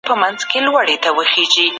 استازي د رسنیو سره څه ډول خبري کوي؟